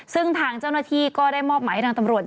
ซึ่งทางเจ้าหน้าที่ก็ได้มอบหมายให้ทางตำรวจ